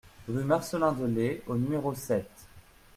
Rue Marcelin Delaye au numéro sept